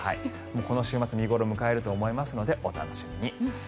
この週末見頃を迎えると思いますのでお楽しみに。